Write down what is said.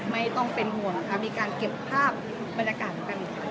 ไม่ต้องเป็นห่วงนะคะมีการเก็บภาพบรรยากาศกัน